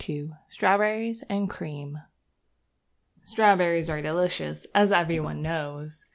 II STRAWBERRIES AND CREAM Strawberries are delicious, as every one knows.